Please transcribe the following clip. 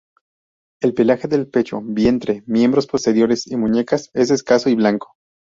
El pelaje del pecho, vientre, miembros posteriores y muñecas es escaso y blanco.